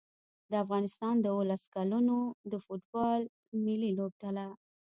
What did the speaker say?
د افغانستان د اولس کلونو د فوټبال ملي لوبډله